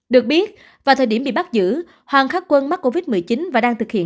được biết vào thời điểm bị bắt giữ hoàng khắc quân mắc covid một mươi chín và đang thực hiện